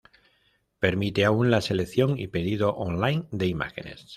Permite aún la selección y pedido online de imágenes.